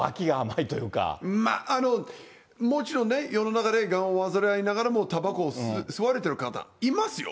まあ、もちろんね、世の中でがんを患いながらもたばこを吸われてる方、いますよ。